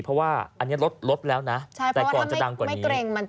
เพราะว่าอันนี้ลดแล้วนะแต่ก่อนจะดังกว่านี้